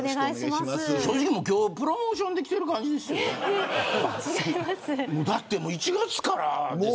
今日はプロモーションで来てる感じでしょう。